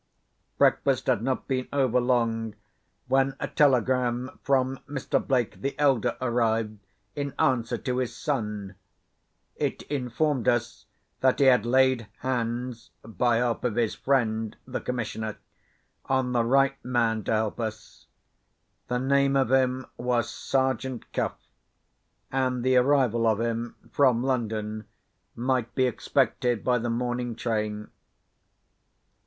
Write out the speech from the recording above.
Breakfast had not been over long, when a telegram from Mr. Blake, the elder, arrived, in answer to his son. It informed us that he had laid hands (by help of his friend, the Commissioner) on the right man to help us. The name of him was Sergeant Cuff; and the arrival of him from London might be expected by the morning train.